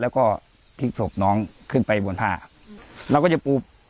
และก็พลิกศพน้องขึ้นไปบนภาพ